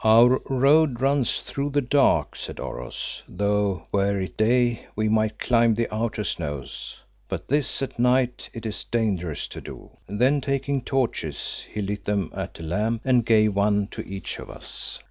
"Our road runs through the dark," said Oros, "though were it day we might climb the outer snows, but this at night it is dangerous to do." Then taking torches, he lit them at a lamp and gave one to each of us.